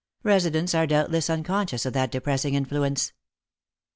Residents are doubtless uncon scious of that depressing influence.